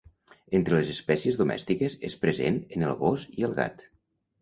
Entre les espècies domèstiques, és present en el gos i el gat.